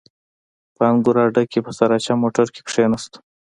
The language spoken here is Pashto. په انګور اډه کښې په سراچه موټر کښې کښېناستو.